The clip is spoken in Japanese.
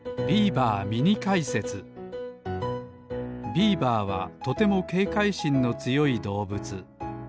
ビーバーはとてもけいかいしんのつよいどうぶつ。